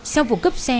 sau vụ cấp xe